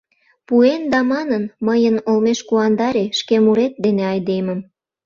Пуэн да манын: «Мыйын олмеш куандаре шке мурет дене айдемым.